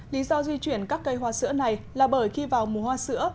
lý do di chuyển các cây hoa sữa này là bởi khi vào mùa hoa sữa